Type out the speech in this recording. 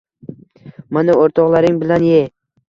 —Mana, o'rtoqlaring bilan ye.